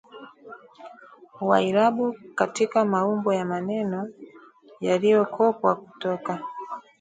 wa irabu katika maumbo ya maneno yaliyokopwa kutoka